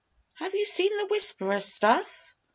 Have you seen 'the Whisperer stuff'?"